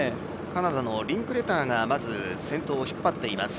カナダのリンクレターが先頭を引っ張っています。